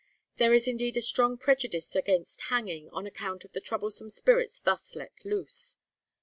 There is indeed a strong prejudice against hanging, on account of the troublesome spirits thus let loose.